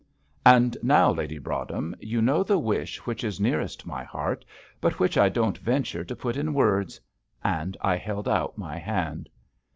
And now, Lady Broadhem, you know the wish which is nearest my heart, but which I don't venture to put in words," and I held out my hand.